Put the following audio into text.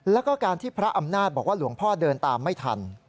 แล้วก็การที่พระอำนาจบอกว่าหลวงพ่อเดินตามไม่ทัน